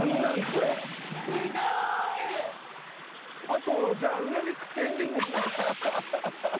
あとじゃあうなぎ食ってエンディングにします。